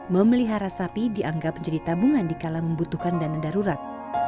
memelihara sapi dianggap menjadi tabungan dikala membutuhkan dana darurat